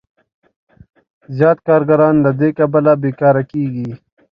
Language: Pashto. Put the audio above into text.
زیات کارګران له دې کبله بېکاره کېږي